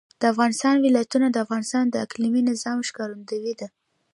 د افغانستان ولايتونه د افغانستان د اقلیمي نظام ښکارندوی ده.